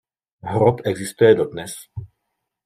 Hrob existuje dodnes.